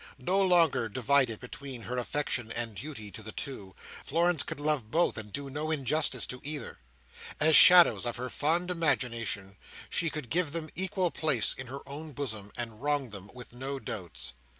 No longer divided between her affection and duty to the two, Florence could love both and do no injustice to either. As shadows of her fond imagination, she could give them equal place in her own bosom, and wrong them with no doubts.